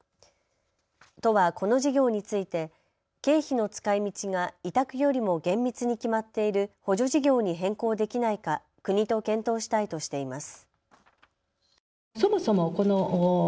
都はこの事業について経費の使いみちが委託よりも厳密に決まっている補助事業に変更できないか国と検討したいとしています。